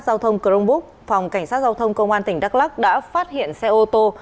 giao thông crongbúc phòng cảnh sát giao thông công an tỉnh đắk lắc đã phát hiện xe ô tô